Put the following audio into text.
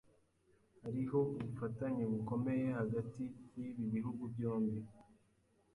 Hariho ubufatanye bukomeye hagati yibi bihugu byombi.